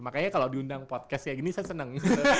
makanya kalau diundang podcast kayak gini saya senang